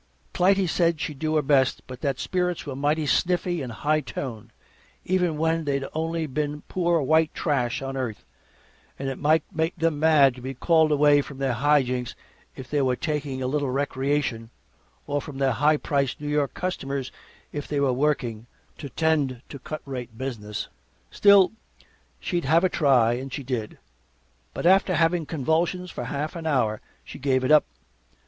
Clytie said she'd do her best, but that spirits were mighty snifty and high toned, even when they'd only been poor white trash on earth, and it might make them mad to be called away from their high jinks if they were taking a little recreation, or from their high priced New York customers if they were working, to tend to cut rate business. Still, she'd have a try, and she did. But after having convulsions for half an hour, she gave it up.